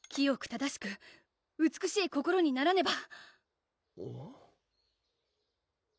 正しく美しい心にならねば！